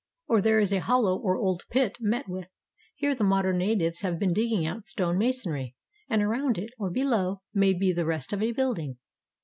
Or there is a hollow or old pit met with; here the modem natives have been digging out stone masonry, and around it, or below, may be the rest of a building.